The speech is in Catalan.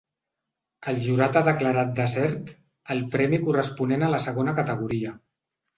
El jurat ha declarat desert el premi corresponent a la segona categoria.